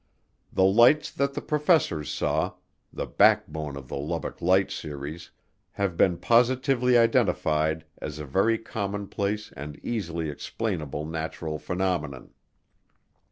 The lights that the professors saw the backbone of the Lubbock Light series have been positively identified as a very commonplace and easily explainable natural phenomenon.